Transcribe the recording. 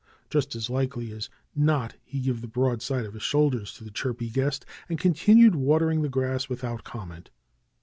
Just as likely as not he gave the broadside of his shoulders to the chirpy guest, and continued watering the grass without comment.